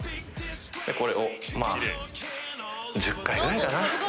これをまぁ１０回ぐらいかな。